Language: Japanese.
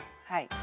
はい。